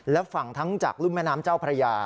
และฝั่งทั้งจากรุ่นแม่น้ำเจ้าพระยา